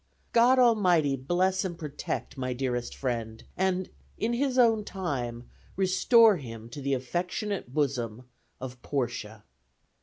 "God Almighty bless and protect my dearest friend, and, in his own time, restore him to the affectionate bosom of "PORTIA."